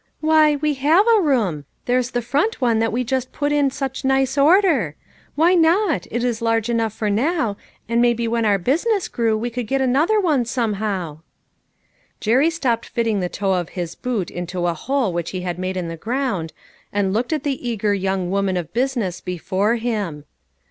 " Why, we have a room ; there's the front one that we just put in such nice order. READY TO TEY. 339 Why not? It is large enough for now, and maybe when our business grew we could get another one somehow." Jerry stopped fitting the toe of his boot to s/ hole which he had made in the ground, and looked at the eager young woman of business before him.